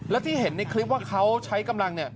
และที่เห็นในคลิปว่าเขาใช้กำลัง